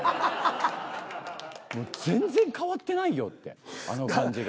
もう全然変わってないよってあの感じが。